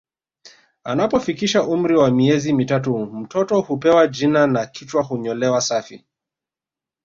Anapofikisha umri wa miezi mitatu mtoto hupewa jina na kichwa hunyolewa safi